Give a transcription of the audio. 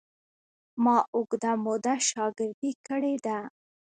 ما اوږده موده شاګردي کړې ده.